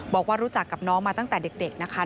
บอกว่ารู้จักกับน้องมาตั้งแต่เด็กนะคะ